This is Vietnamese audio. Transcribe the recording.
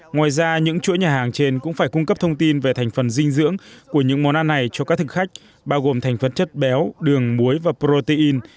ngoài ra những chuỗi nhà hàng trên cũng phải cung cấp thông tin về thành phần dinh dưỡng của những món ăn này cho các thực khách bao gồm thành phần chất béo đường muối và protein